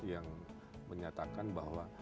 yang menyatakan bahwa